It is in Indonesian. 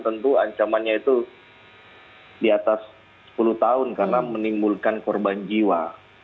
tentu ancamannya itu di atas sepuluh tahun karena menimbulkan korban jiwa